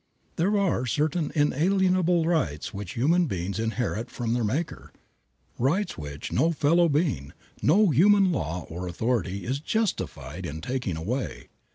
There are certain inalienable rights which human beings inherit from their Maker, rights which no fellow being, no human law or authority is justified in taking away.